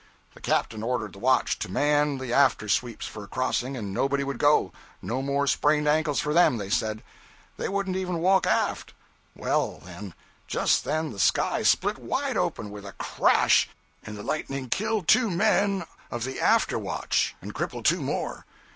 The captain ordered the watch to man the after sweeps for a crossing, and nobody would go no more sprained ankles for them, they said. They wouldn't even walk aft. Well then, just then the sky split wide open, with a crash, and the lightning killed two men of the after watch, and crippled two more.